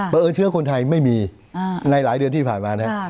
เพราะเอิญเชื้อคนไทยไม่มีในหลายเดือนที่ผ่านมานะ